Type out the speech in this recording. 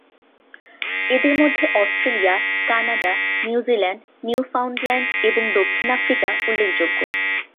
এদের মধ্যে Australia, Canada, New Zealand, Newfoundland, এবং দক্ষিণ আফ্রিকা উল্লেখযোগ্য।